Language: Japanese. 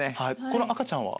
この赤ちゃんは？